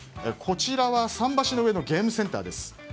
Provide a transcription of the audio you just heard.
こちらは桟橋の上のゲームセンターです。